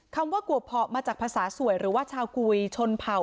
คำว่ากวบเพาะมาจากภาษาสวยหรือว่าชาวกุยชนเผ่า